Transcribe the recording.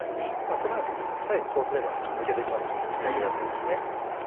このように左右にこうすれば抜けていきますのでやりやすいですね。